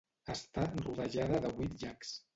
Està rodejada de vuit llacs.